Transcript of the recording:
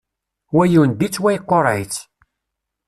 Wa yundi-tt wa yeqqureɛ-itt.